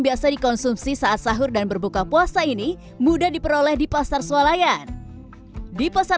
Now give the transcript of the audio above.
biasa dikonsumsi saat sahur dan berbuka puasa ini mudah diperoleh di pasar sualayan di pasar